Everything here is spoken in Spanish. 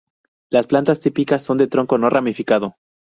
Las plantas típicas son de tronco no ramificado.